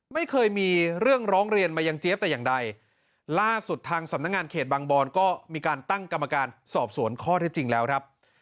ไม่เคยมีเรื่องร้องเรียนมายังเจี๊ยบแต่อย่างใดล่าสุดทางสำนักงานเขตบางบอนก็มีการตั้งกรรมการสอบสวนข้อที่จริงแล้วครับ